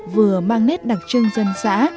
vừa mang nét đặc trưng dân xã